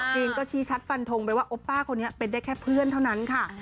รีนก็ชี้ชัดฟันทงไปว่าโอป้าคนนี้เป็นได้แค่เพื่อนเท่านั้นค่ะ